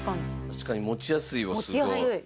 確かに持ちやすいわすごい。